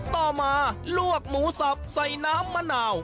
ต่อมาลวกหมูสับใส่น้ำมะนาว